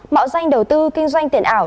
mạo danh đầu tư kinh doanh tiền ảo